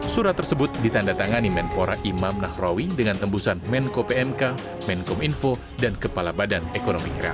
surat tersebut ditanda tangani menpora imam nahrawi dengan tembusan menko pmk menkom info dan kepala badan ekonomi kreatif